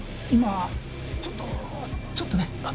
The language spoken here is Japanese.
今ちょっとちょっとね。